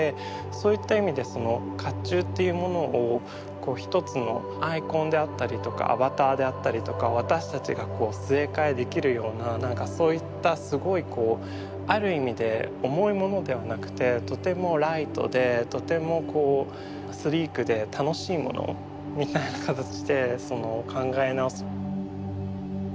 そういった意味で甲冑っていうものを一つのアイコンであったりとかアバターであったりとか私たちがすえ替えできるようななんかそういったすごいこうある意味で重いものではなくてとてもライトでとてもこうスリークで楽しいものみたいな形で考え直す。